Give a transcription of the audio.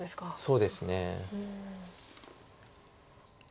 そうですね。